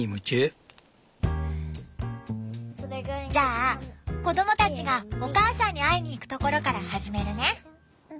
じゃあ子供たちがお母さんに会いに行くところから始めるね。